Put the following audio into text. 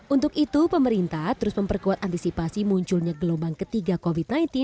untuk itu pemerintah terus memperkuat antisipasi munculnya gelombang ketiga covid sembilan belas di akhir tahun ini